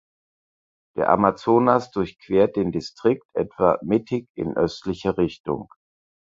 Der Amazonas durchquert den Distrikt etwa mittig in östlicher Richtung.